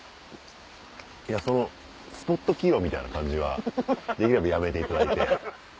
そのスポット起用みたいな感じはできればやめていただいて。